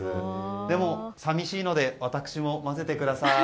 でも、寂しいので私も混ぜてください。